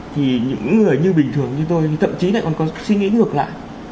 thì những người như bình thường như tôi thì thậm chí là còn có suy nghĩ ngược lại